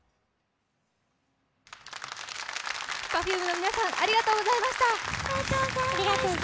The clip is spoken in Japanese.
Ｐｅｒｆｕｍｅの皆さんありがとうございました。